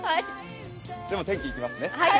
でも天気いきますね。